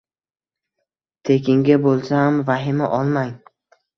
Tekinga bo’lsa ham vahima olmang!